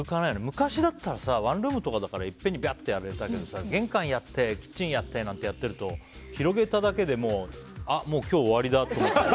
昔だったらワンルームだからいっぺんにやれたけど玄関をやってキッチンやってなんてやっていると広げただけであ、今日終わりだって思って。